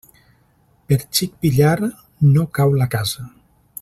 Per xic pillar no cau la casa.